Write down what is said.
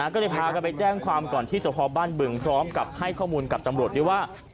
ก็เลยพากันไปแจ้งความก่อนที่สภบ้านบึงพร้อมกับให้ข้อมูลกับตำรวจด้วยว่า